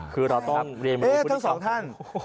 คือเราต้องเนมลูพูดเข้า